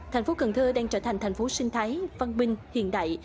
thành phố cần thơ đang trở thành thành phố sinh thái văn minh hiện đại